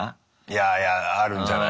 いやいやあるんじゃない？